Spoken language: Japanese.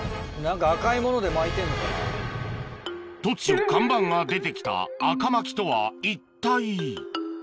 突如看板が出てきたあか巻とは一体？